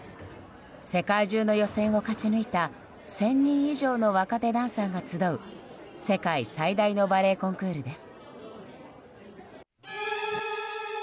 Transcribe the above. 世界中の予選を勝ち抜いた１０００人以上の若手ダンサーが集う世界最大のバレエコンクールです。